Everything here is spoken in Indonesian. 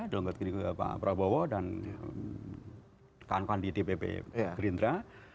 dengan pak prabowo dan kawan kawan di dpp gerindra